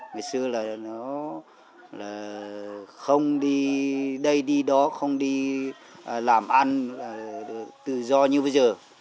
ngày xưa là nó không đi đây đi đó không đi làm ăn tự do như bây giờ